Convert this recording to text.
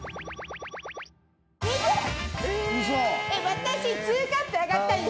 私２カップ上がったんですよ。